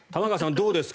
どうですか？